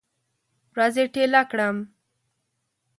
ورځې ټیله کړم